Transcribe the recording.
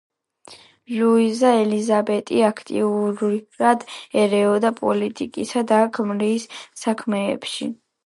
ლუიზა ელიზაბეტი აქტიურად ერეოდა პოლიტიკასა და ქმრის საქმეებში.